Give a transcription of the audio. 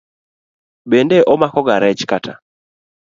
Bende omakoga rech kata?